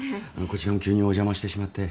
こちらも急にお邪魔してしまって。